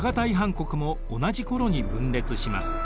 国も同じ頃に分裂します。